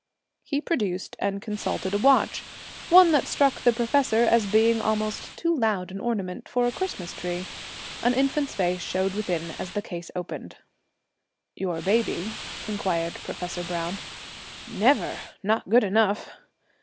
He produced and consulted a watch one that struck the professor as being almost too loud an ornament for a Christmas tree. An infant's face showed within as the case opened. 'Your baby?' inquired Professor Browne. 'Never. Not good enough.